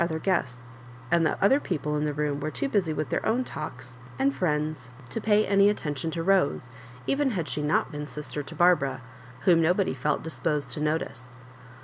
other guests ; and the other people in the room were too busy with their own talks and friends to pay any attention to Rose, even had she not been sister to Barbara, whom nobody felt dis posed to notice.